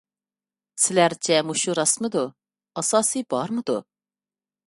سىلەرچە مۇشۇ راستمىدۇ؟ ئاساسى بارمىدۇ؟